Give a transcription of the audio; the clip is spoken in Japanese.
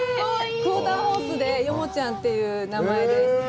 クオーターホースでヨモちゃんという名前です。